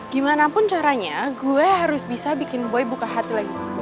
gimanapun caranya gue harus bisa bikin boy buka hati lagi ke gue